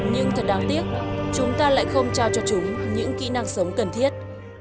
nhưng thật đáng tiếc chúng ta lại không trao cho chúng những kỹ năng sống cần thiết